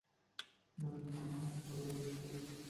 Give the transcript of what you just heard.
ছোটির জন্য আমি কতো লোকের সাথে কথা বলেছি।